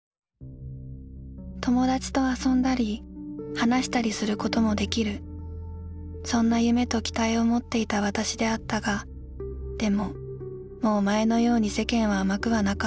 「友達と遊んだり話したりすることも出来るそんな夢と期待を持っていた私であったがでももう前のように世間は甘くはなかった。